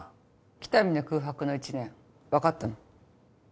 喜多見の空白の一年分かったの？